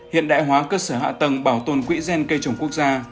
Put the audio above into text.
hiện đại hóa cơ sở hạ tầng bảo tồn quỹ gen cây trồng quốc gia